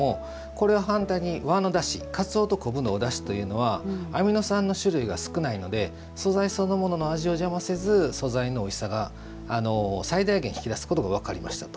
これは反対に和のだしかつおとこぶのおだしというのはアミノ酸の種類が少ないので素材そのものの味を邪魔せず素材のおいしさを最大限引き出すことが分かりましたと。